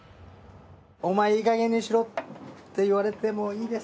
お前いいかげんにしろって言われてもいいです。